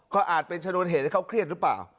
ก็อาจเป็นชนวนเหตุให้เขาเครียดหรือเปล่า